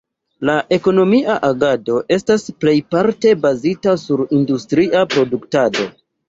La ekonomia agado estas plejparte bazita sur industria produktado.